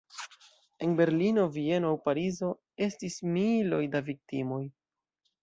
En Berlino, Vieno aŭ Parizo estis miloj da viktimoj.